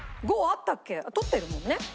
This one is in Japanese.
あっ取ってるもんね。